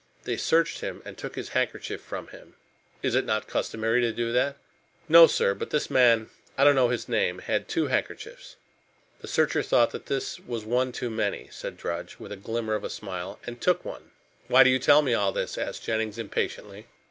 They searched him and took his handkerchief from him." "It is not customary to do that?" "No, Sir. But this man I don't know his name had two handkerchiefs. The searcher thought that was one too many," said Drudge, with the glimmer of a smile, "and took one." "Why do you tell me all this?" asked Jennings impatiently.